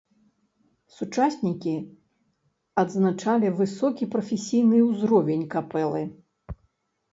Сучаснікі адзначалі высокі прафесійны ўзровень капэлы.